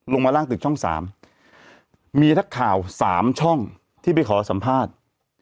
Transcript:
มาล่างตึกช่อง๓มีนักข่าว๓ช่องที่ไปขอสัมภาษณ์